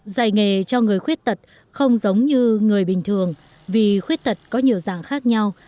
dạy nghề cho người khuyết tật không giống như người bình thường vì khuyết tật có nhiều dạng khác nhau